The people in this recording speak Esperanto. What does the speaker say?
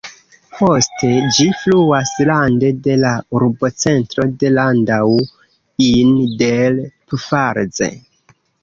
Poste ĝi fluas rande de la urbocentro de Landau in der Pfalz.